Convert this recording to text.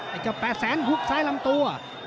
ไอ้เจ้า๘แสนหุบซ้ายลำตัว